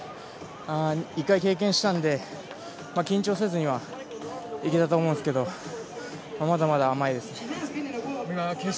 １回経験したんで緊張せずにはいけたと思うんですけどまだまだ甘いですね。